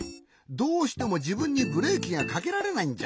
どうしてもじぶんにブレーキがかけられないんじゃ。